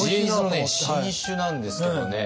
新酒なんですけどね。